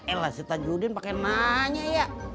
elah si tanjudin pake nanya ya